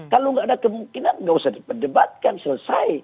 kalau nggak ada kemungkinan nggak usah diperdebatkan selesai